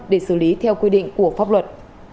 để xử lý theo quy định của pháp luật